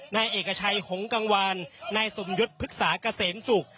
ในเอกชัยหงกังวานในสมยุทธภึกษากระเสนสุข